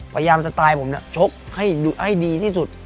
สไตล์ผมชกให้ดีที่สุด